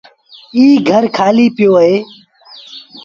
ايٚ گھر کآليٚ پيو اهي۔